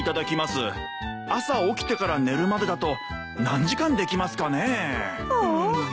朝起きてから寝るまでだと何時間できますかねえ。